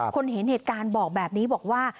คนเห็นเหตุการณ์บอกแบบนี้บอกว่า